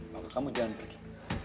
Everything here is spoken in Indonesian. maka kamu jangan pergi